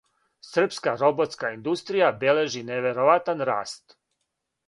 Србска роботска индустрија бележи невероватан раст!